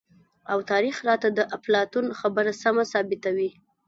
او تاريخ راته د اپلاتون خبره سمه ثابته وي،